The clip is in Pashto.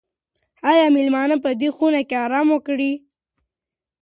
آیا مېلمانه به په دې خونه کې ارام وکړای شي؟